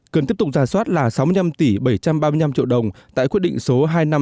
cần tiếp tục giả soát là sáu mươi năm tỷ bảy trăm ba mươi năm triệu đồng tại quyết định số hai nghìn năm trăm sáu mươi hai